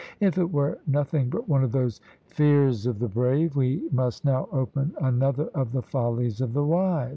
If it were nothing but one of those Fears of the Brave! we must now open another of the Follies of the Wise!